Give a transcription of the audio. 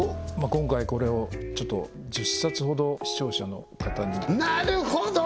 今回これを１０冊ほど視聴者の方になるほど！